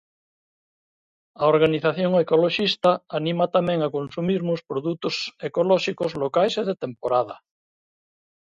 A organización ecoloxista anima tamén a consumirmos produtos ecolóxicos, locais e de temporada.